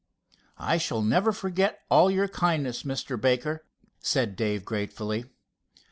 "I shall never forget all your kindness, Mr. Baker," said Dave gratefully.